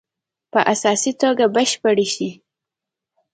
په اساسي توګه بشپړې شي.